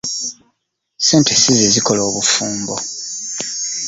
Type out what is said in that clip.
Ssente si ze zikola obufumbo.